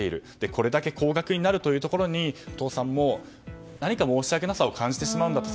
これだけ高額になるというところでお父さんも何か申し訳なさを感じてしまうんだと。